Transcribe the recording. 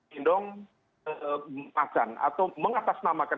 mendong masan atau mengatasnamakan